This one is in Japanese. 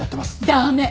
駄目！